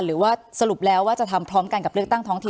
หรือว่าสรุปแล้วว่าจะทำพร้อมกันกับเลือกตั้งท้องถิ่น